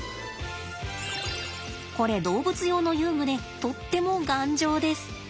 これ動物用の遊具でとっても頑丈です。